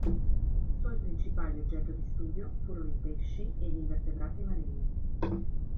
Suoi principali oggetto di studio furono i pesci e gli invertebrati marini.